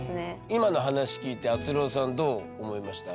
今の話聞いてあつろーさんどう思いました？